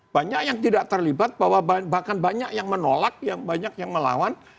banyak yang tidak terlibat bahwa bahkan banyak yang menolak yang banyak yang melawan